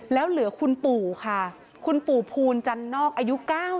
แล้วเหลือคุณปู่ค่ะคุณปู่ภูลจันนอกอายุ๙๐